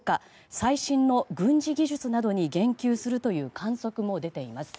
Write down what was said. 最新の軍事技術などに言及するという観測も出ています。